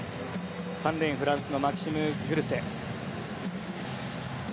３レーン、フランスのマキシム・グルセ。